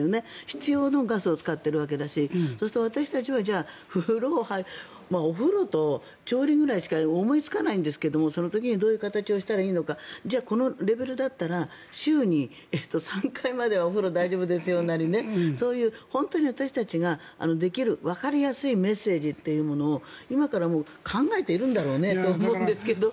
必要のガスを使っているわけだしそうすると私たちはお風呂と調理くらいしか思いつかないんですけどもその時にどういう形にしたらいいのかじゃあ、このレベルだったら週に３回まではお風呂、大丈夫ですよなりそういう本当に私たちができるわかりやすいメッセージというものを今から考えているんだろうねと思うんですけど。